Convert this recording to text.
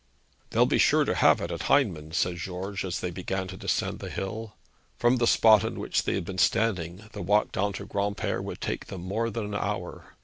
'They'll be sure to have it at Heinman's,' said George, as they began to descend the hill. From the spot on which they had been standing the walk down to Granpere would take them more than an hour.